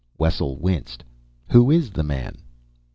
Wessel winced. "Who is the man?"